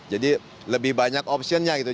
jadi lebih banyak option nya gitu